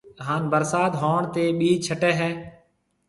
ھان ڀرسات ھوڻ تيَ ٻِج ڇٽَي ھيَََ